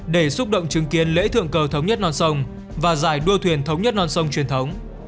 để xúc động chứng kiến lễ thượng cờ thống nhất non sông và giải đua thuyền thống nhất non sông truyền thống